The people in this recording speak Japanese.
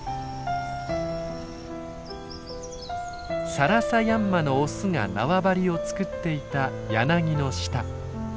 サラサヤンマのオスが縄張りをつくっていた柳の下。